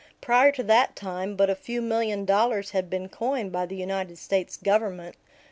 Prior to that time but a few million dollars had been coined by the United States Government.